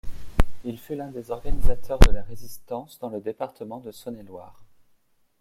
Il fut l'un des organisateurs de la Résistance dans le département de Saône-et-Loire.